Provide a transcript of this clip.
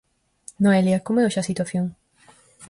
Noelia, como é hoxe a situación?